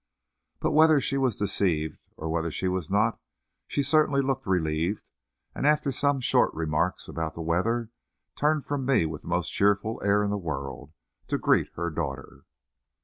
But whether she was deceived or whether she was not, she certainly looked relieved, and after some short remarks about the weather, turned from me with the most cheerful air in the world, to greet her daughter.